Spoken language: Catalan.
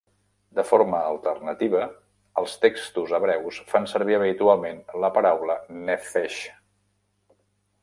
De forma alternativa, els textos hebreus fan servir habitualment la paraula "nephesh".